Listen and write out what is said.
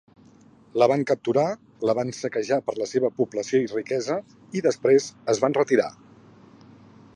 La van capturar, la van saquejar per la seva població i riquesa, i després es van retirar.